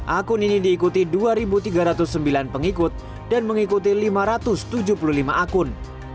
akun ini diikuti dua tiga ratus sembilan pengikut dan mengikuti lima ratus tujuh puluh lima akun